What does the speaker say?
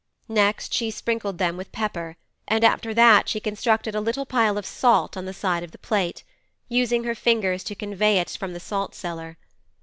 Next she sprinkled them with pepper, and after that she constructed a little pile of salt on the side of the plate, using her fingers to convey it from the salt cellar.